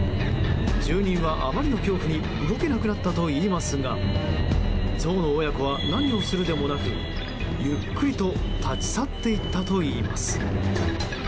住人は、あまりの恐怖に動けなくなったといいますがゾウの親子は何をするでもなくゆっくりと立ち去って行ったといいます。